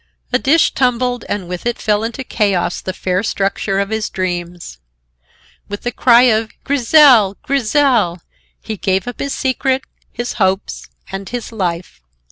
A dish tumbled and with it fell into chaos the fair structure of his dreams. With the cry of "Grizel! Grizel!" he gave up his secret, his hopes and his life.